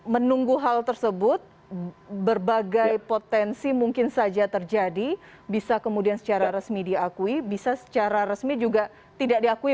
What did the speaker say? menunggu hal tersebut berbagai potensi mungkin saja terjadi bisa kemudian secara resmi diakui bisa secara resmi juga tidak diakui